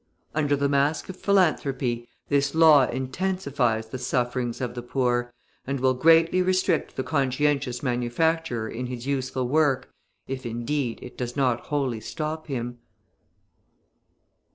Under the mask of philanthropy, this law intensifies the sufferings of the poor, and will greatly restrict the conscientious manufacturer in his useful work, if, indeed, it does not wholly stop him.